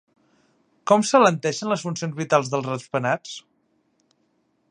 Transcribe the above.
Com s'alenteixen les funcions vitals dels ratpenats?